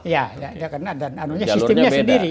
iya tidak kenal dan sistemnya sendiri